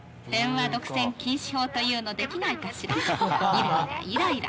イライライライラ。